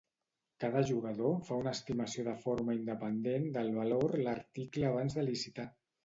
Cada jugador fa una estimació de forma independent del valor l'article abans de licitar.